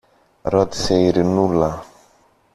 ρώτησε η Ειρηνούλα.